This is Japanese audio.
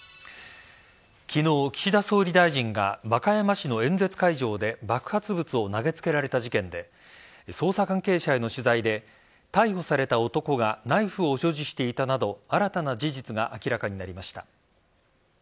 昨日、岸田総理大臣が和歌山市の演説会場で爆発物を投げつけられた事件で捜査関係者への取材で逮捕された男がナイフを所持していたなど新たな事実が明らかになりました。